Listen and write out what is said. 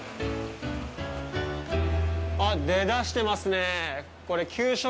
あっ、出だしてますね。